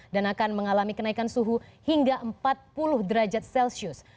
dan akan mengalami kenaikan suhu hingga empat puluh derajat celcius